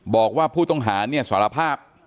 บอกว่าผู้ต้องหาเนี่ยสารภาพ